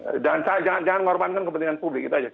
dan jangan ngorbankan kepentingan publik itu aja